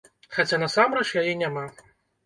Хаця насамрэч яе няма.